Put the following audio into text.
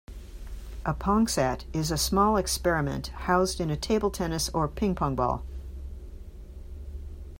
A PongSat is a small experiment housed in a table tennis or ping-pong ball.